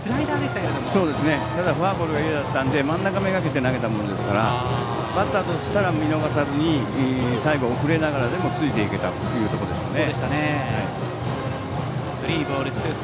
ただフォアボールがいやだったので真ん中めがけて投げたものですからバッターとしたら見逃さずに最後、遅れながらでもついていけたというところですね。